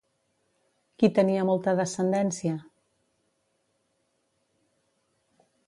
Qui tenia molta descendència?